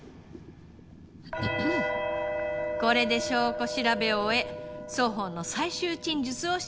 これで証拠調べを終え双方の最終陳述をしていただきます。